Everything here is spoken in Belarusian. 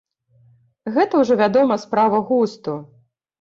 Гэта ўжо, вядома, справа густу.